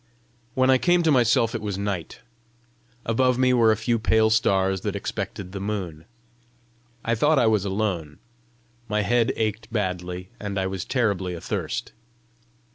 When I came to myself it was night. Above me were a few pale stars that expected the moon. I thought I was alone. My head ached badly, and I was terribly athirst.